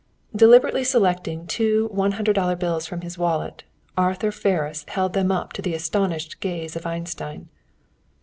Deliberately selecting two one hundred dollar bills from his wallet, Arthur Ferris held them up to the astonished gaze of Einstein.